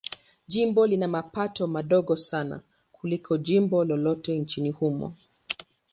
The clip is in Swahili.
Jimbo lina mapato madogo sana kuliko jimbo lolote nchini humo.